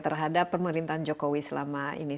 itu adalah pen arsen sebesar dunia